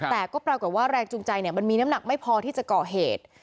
แต่ก็ปรากฏว่าแรงจูงใจมันมีน้ำหนักไม่พอที่จะก่อเหตุ